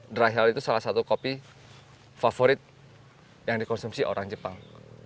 dry health itu salah satu kopi favorit yang dikonsumsi orang jepang